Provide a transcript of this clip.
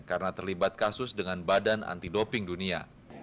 karena terlibat kasus dengan badan anti doping dunia